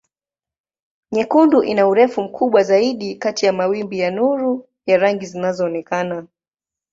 Nyekundu ina urefu mkubwa zaidi kati ya mawimbi ya nuru ya rangi zinazoonekana.